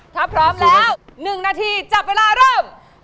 ถ้าพร้อมแล้ว๑นาทีจับเวลาเริ่ม